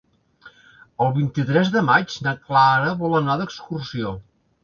El vint-i-tres de maig na Clara vol anar d'excursió.